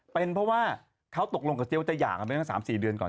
เป็นเพราะว่าเขาตกลงกับเจี๊ยจะหย่ากันไปตั้ง๓๔เดือนก่อน